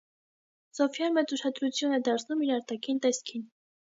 Սոֆյան մեծ ուշադրություն է դարձնում իր արտաքին տեսքին։